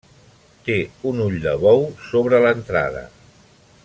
Té un ull de bou sobre l'entrada.